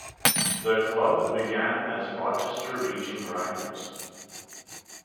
The club began as the Rochester Raging Rhinos.